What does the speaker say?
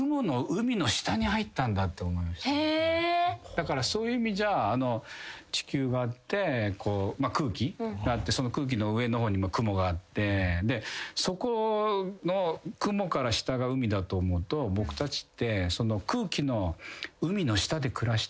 だからそういう意味じゃ地球があってこう空気があってその空気の上の方に雲があってそこの雲から下が海だと思うと僕たちって。